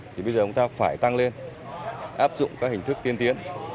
thì bây giờ chúng ta phải tăng lên áp dụng các hình thức tiên tiến